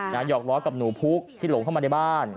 หอกล้อกับหนูพุกที่หลงเข้ามาในบ้าน